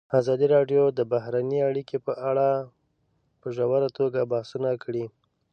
ازادي راډیو د بهرنۍ اړیکې په اړه په ژوره توګه بحثونه کړي.